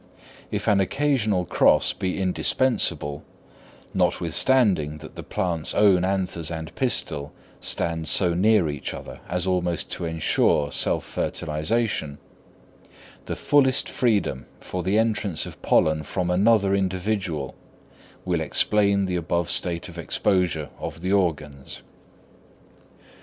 If an occasional cross be indispensable, notwithstanding that the plant's own anthers and pistil stand so near each other as almost to ensure self fertilisation, the fullest freedom for the entrance of pollen from another individual will explain the above state of exposure of the organs.